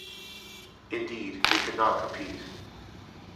Indeed, it could not compete.